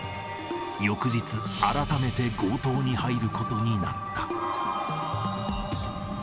翌日、改めて強盗に入ることになった。